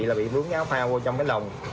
là bị vướng áo phao vô trong cái lồng